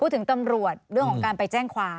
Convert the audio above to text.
ถึงตำรวจเรื่องของการไปแจ้งความ